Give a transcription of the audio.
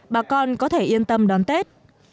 bà con có thể yên tâm đón tết